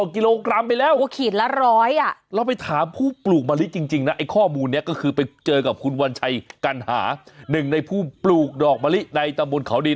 กันหาหนึ่งในผู้ปลูกดอกมะลิในตำบลเขาดิน